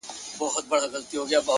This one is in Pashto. علم د فکر ځواک دی!